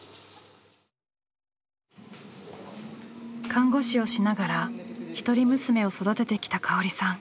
看護師をしながら一人娘を育ててきた香織さん。